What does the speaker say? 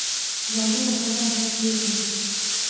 ژوندي د خندا اهمیت پېژني